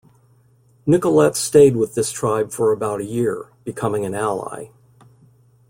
Nicolet stayed with this tribe for about a year, becoming an ally.